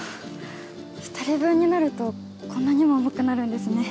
２人分になるとこんなにも重くなるんですね。